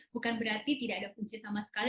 bukan berarti tidak ada kunci sama sekali